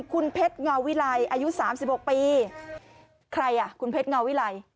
คุณเพชรเงาวิลัยอายุ๓๖ปีใครอ่ะคุณเพชรเงาวิไล